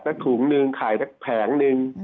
นักถุงนึงขายนักแผงนึง